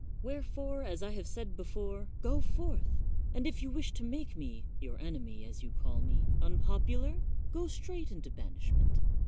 Wherefore, as I have said before, go forth, and if you wish to make me, your enemy as you call me, unpopular, go straight into banishment.